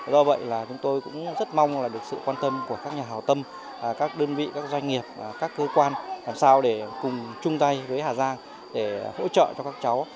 do vậy là chúng tôi cũng rất mong là được sự quan tâm của các nhà hào tâm các đơn vị các doanh nghiệp các cơ quan làm sao để cùng chung tay với hà giang để hỗ trợ cho các cháu